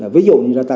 ví dụ như là